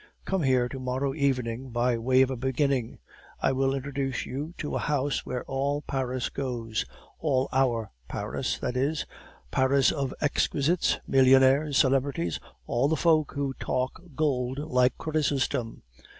Come here to morrow evening, by way of a beginning. I will introduce you to a house where all Paris goes, all OUR Paris, that is the Paris of exquisites, millionaires, celebrities, all the folk who talk gold like Chrysostom.